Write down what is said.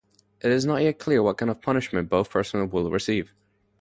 It is not yet clear what kind of punishment both personnel will receive.